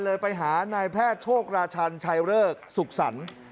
เลยไปหานายแพทย์โชคราชันชัยเริกสุขสรรค์